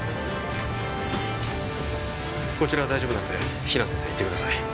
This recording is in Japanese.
こちらは大丈夫なので比奈先生行ってください